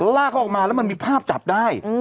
ลากเขาออกมาแล้วมันมีภาพจับได้